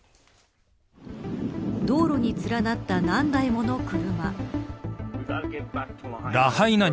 道路に連なった何台もの車。